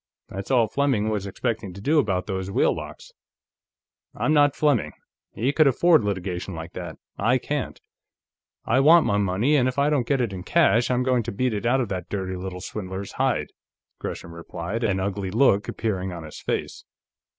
That's all Fleming was expecting to do about those wheel locks." "I'm not Fleming. He could afford litigation like that; I can't. I want my money, and if I don't get it in cash, I'm going to beat it out of that dirty little swindler's hide," Gresham replied, an ugly look appearing on his face.